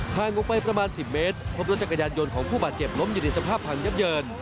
ห่างออกไปประมาณ๑๐เมตรพบรถจักรยานยนต์ของผู้บาดเจ็บล้มอยู่ในสภาพพังยับเยิน